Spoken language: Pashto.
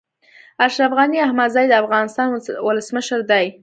اشرف غني احمدزی د افغانستان ولسمشر دی